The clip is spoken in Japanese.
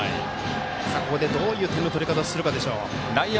ここでどういう点の取り方をするかでしょう。